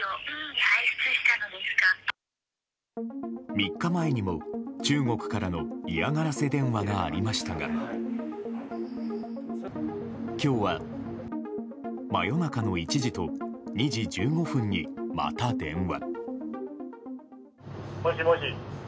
３日前にも中国からの嫌がらせ電話がありましたが今日は真夜中の１時と２時１５分にまた電話。